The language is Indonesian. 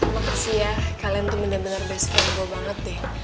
makasih ya kalian tuh bener bener best friend gue banget deh